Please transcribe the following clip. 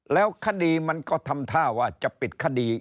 แล้วคดีมันก็ทำท่าว่าจะปิดคดี